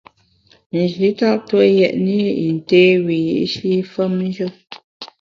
Nji tap tue yètne i yin té wiyi’shi femnjù.